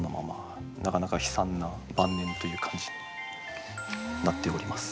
なかなか悲惨な晩年という感じになっております。